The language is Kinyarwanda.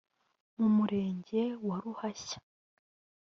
mu murenge wa Ruhashya